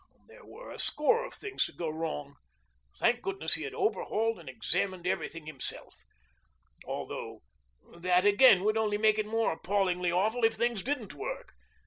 There were a score of things to go wrong. Thank goodness he had overhauled and examined everything himself; although that again would only make it more appallingly awful if things didn't work.